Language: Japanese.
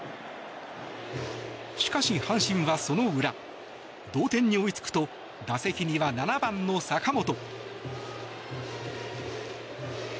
しかし、阪神はその裏同点に追いつくと打席には７番の坂本。